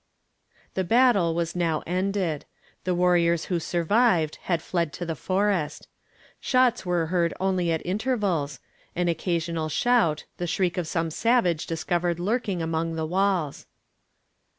The battle was now ended. The warriors who survived had fled to the forest. Shots were heard only at intervals; an occasional shout, the shriek of some savage discovered lurking among the walls.